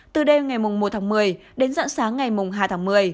từ đêm ngày một tháng một mươi đến dạng sáng ngày hai tháng một mươi